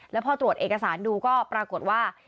แล้วพอตรวจเอกสารดูก็ปรากฏว่า